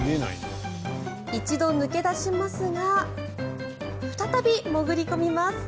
一度抜け出しますが再び潜り込みます。